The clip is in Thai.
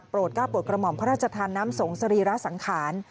ก้าวโปรดกระหม่อมพระราชทานน้ำสงสรีระสังขาร